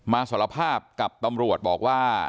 สารภาพกับตำรวจบอกว่า